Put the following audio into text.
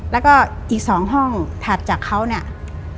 แล้วก็อีก๒ห้องถัดจากเขาเนี่ย